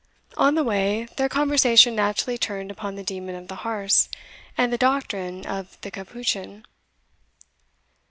On the way, their conversation naturally turned upon the demon of the Harz and the doctrine of the capuchin.